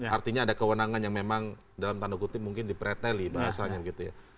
artinya ada kewenangan yang memang dalam tanda kutip mungkin dipreteli bahasanya begitu ya